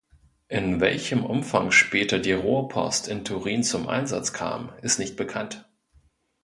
In welchem Umfang später die Rohrpost in Turin zum Einsatz kam, ist nicht bekannt.